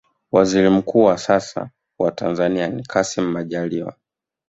waziri mkuu wa sasa wa tanzania ni kassim majaliwa